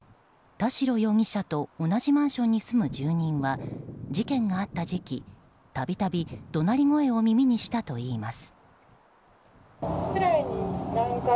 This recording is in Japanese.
田代容疑者と同じマンションに住む住人は事件があった時期、たびたび怒鳴り声を耳にしたといいます。